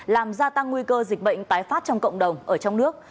làm gia tăng nguy cơ dịch bệnh tái phát trong cộng đồng ở trong nước